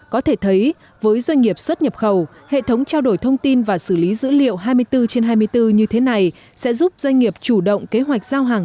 có thể thấy với doanh nghiệp xuất nhập khẩu hệ thống trao đổi thông tin và xử lý dữ liệu hai mươi bốn trên hai mươi bốn như thế này sẽ giúp doanh nghiệp chủ động kế hoạch giao hàng